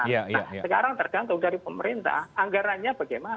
nah sekarang tergantung dari pemerintah anggarannya bagaimana